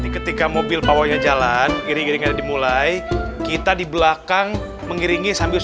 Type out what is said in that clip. ketika mobil bawahnya jalan giring giringnya dimulai kita di belakang mengiringi sambil